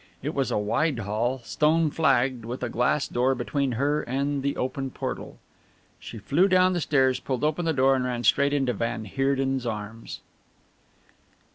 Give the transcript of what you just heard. It was a wide hall, stone flagged, with a glass door between her and the open portal. She flew down the stairs, pulled open the door and ran straight into van Heerden's arms.